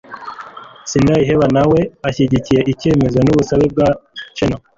sindayiheba na we ashyigikiye ikemezo n'ubusabe bwa cheno